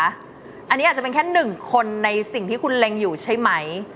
อันนี้อาจจะเป็นแค่หนึ่งคนในสิ่งที่คุณเล็งอยู่ใช่ไหม